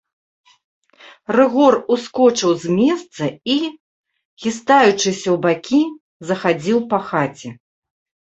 Рыгор ускочыў з месца і, хістаючыся ў бакі, захадзіў па хаце.